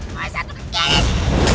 masa itu kekis